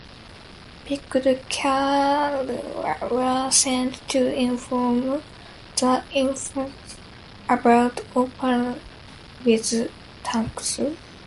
Picked crews were sent to inform the infantrymen about operations with tanks.